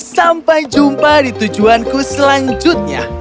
sampai jumpa di tujuanku selanjutnya